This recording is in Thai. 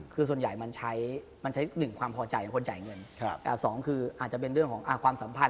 คือส่วนใหญ่มันใช้มันใช้หนึ่งความพอใจของคนจ่ายเงินสองคืออาจจะเป็นเรื่องของความสัมพันธ